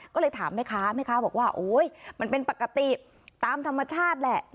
ก็เลยถามแม่ค้าแม่ค้าบอกว่าโอ๊ยมันเป็นปกติตามธรรมชาติแหละ